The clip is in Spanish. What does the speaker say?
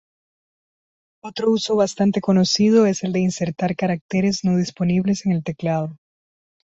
Otro uso bastante conocido es el de insertar caracteres no disponibles en el teclado.